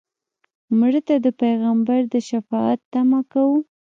مړه ته د پیغمبر د شفاعت تمه کوو